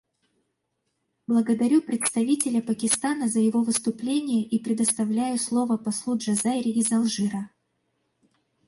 Благодарю представителя Пакистана за его выступление и предоставляю слово послу Джазайри из Алжира.